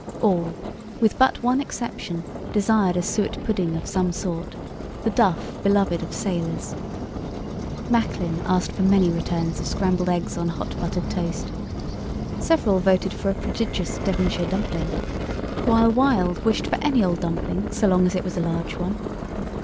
All, with but one exception, desired a suet pudding of some sort—the "duff" beloved of sailors. Macklin asked for many returns of scrambled eggs on hot buttered toast. Several voted for "a prodigious Devonshire dumpling," while Wild wished for "any old dumpling so long as it was a large one."